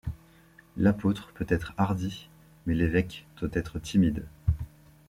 L’apôtre peut être hardi, mais l’évêque doit être timide.